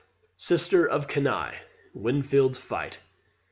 Sister of Cannae! Winfield's fight!